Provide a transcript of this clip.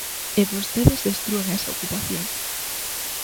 E vostedes destrúen esa ocupación.